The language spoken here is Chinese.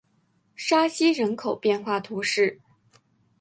沙西人口变化图示